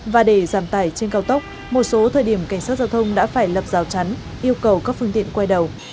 và để giảm tải trên cao tốc một số thời điểm cảnh sát giao thông đã phải lập rào chắn yêu cầu các phương tiện quay đầu